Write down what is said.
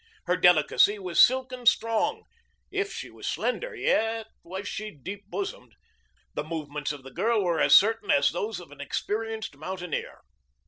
Her delicacy was silken strong. If she was slender, she was yet deep bosomed. The movements of the girl were as certain as those of an experienced mountaineer.